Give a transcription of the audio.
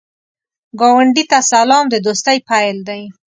ګاونډي ته سلام، د دوستۍ پیل دی